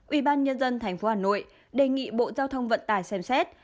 ubnd tp hà nội đề nghị bộ giao thông vận tải xem xét